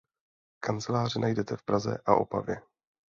Kanceláře najdete v Praze a Opavě.